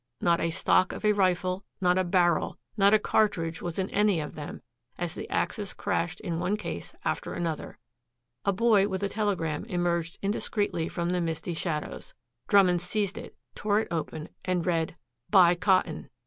Not a stock of a rifle, not a barrel, not a cartridge was in any of them as the axes crashed in one case after another. A boy with a telegram emerged indiscreetly from the misty shadows. Drummond seized it, tore it open, and read, "Buy cotton."